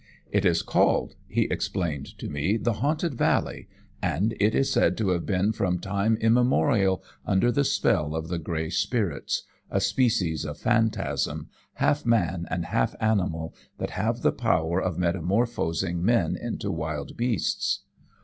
"'It is called,' he explained to me, 'the haunted valley, and it is said to have been from time immemorial under the spell of the grey spirits a species of phantasm, half man and half animal, that have the power of metamorphosing men into wild beasts.'